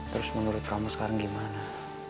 terus menurut kamu sekarang gimana